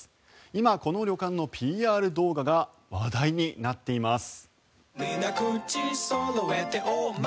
今、この旅館のＰＲ動画が話題になっています。